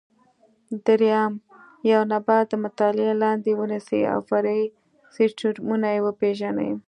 درېیم: یو نبات د مطالعې لاندې ونیسئ او فرعي سیسټمونه یې وپېژنئ.